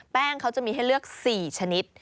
แป้งเขาจะมีให้เลือก๔ชนิด